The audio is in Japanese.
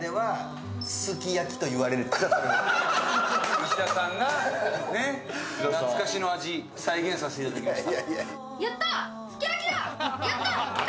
石田さんのなつかしの味、再現させていただきました。